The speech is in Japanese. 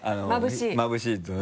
まぶしい。